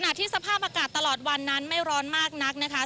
ที่สภาพอากาศตลอดวันนั้นไม่ร้อนมากนักนะคะ